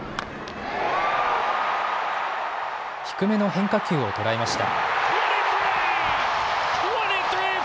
低めの変化球を捉えました。